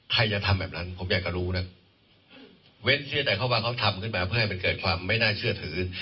ใครจะทำแบบนั้นผมอยากจะรู้นะเว้นเชื่อใจเขาว่าเขาทำขึ้นมาเพื่อให้มันเกิดความไม่น่าเชื่อถือ